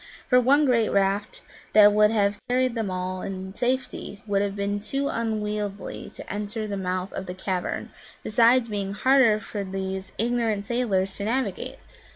For one great raft that would have carried them all in safety would have been too unwieldy to enter the mouth of the cavern, besides being harder for these ignorant sailors to navigate.